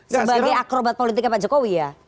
sebagai akrobat politiknya pak jokowi ya